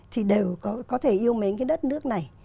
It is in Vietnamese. thì đều có thể yêu mến cái đất nước này